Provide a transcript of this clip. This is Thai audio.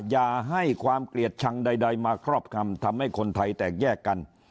อย่าให้ความเกลียดชังใดมาครอบคำทำให้คนไทยแตกแยกกัน